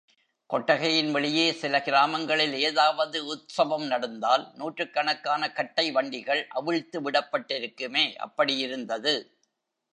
கொட்டகையின் வெளியே சில கிராமங்களில் ஏதாவது உத்ஸவம் நடந்தால் நூற்றுக் கணக்கான கட்டை வண்டிகள் அவிழ்த்து விடப்பட்டிருக்குமே, அப்படியிருந்தது.